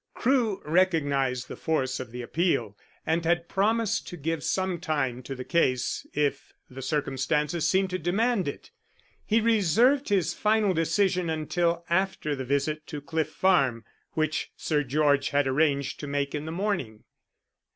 Crewe recognized the force of the appeal and had promised to give some time to the case if the circumstances seemed to demand it. He reserved his final decision until after the visit to Cliff Farm, which Sir George had arranged to make in the morning.